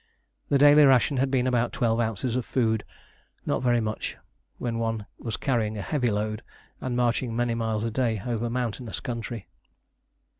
The daily ration had been about twelve ounces of food not very much, when one was carrying a heavy load and marching many miles a day over mountainous country.